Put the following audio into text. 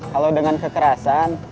kalau pakai kekerasan